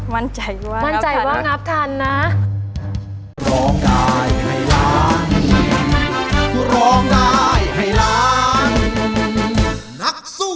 มั่นใจว่างับทันนะ